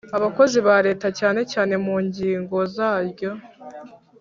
Abakozi ba Leta cyane cyane mu ngingo zaryo